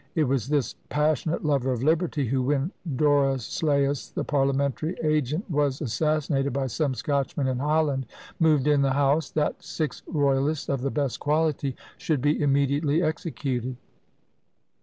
It was this "passionate lover of liberty" who, when Dorislaus, the parliamentary agent, was assassinated by some Scotchmen in Holland, moved in the house, that "six royalists of the best quality" should be immediately executed!